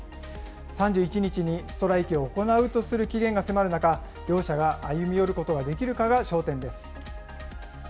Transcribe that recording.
３１日にストライキを行うとする期限が迫る中、両者が歩み寄ることができるかが焦点です。